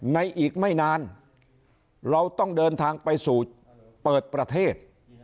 อีกไม่นานเราต้องเดินทางไปสู่เปิดประเทศ